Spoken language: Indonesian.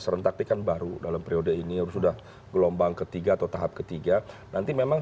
serentak ini kan baru dalam periode ini sudah gelombang ketiga atau tahap ketiga nanti memang